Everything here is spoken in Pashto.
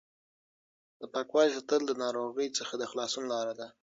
د پاکوالي ساتل د ناروغۍ څخه د خلاصون لار ده.